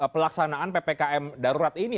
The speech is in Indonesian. pelaksanaan ppkm darurat ini